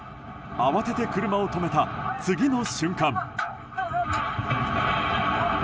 慌てて車を止めた次の瞬間。